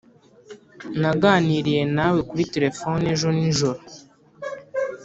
naganiriye nawe kuri terefone ejo nijoro.